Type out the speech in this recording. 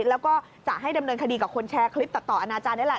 แล้วก็จะให้ดำเนินคดีกับคนแชร์คลิปตัดต่ออนาจารย์นี่แหละ